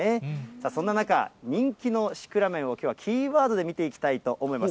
そんな中、人気のシクラメンをきょうはキーワードで見ていきたいと思います。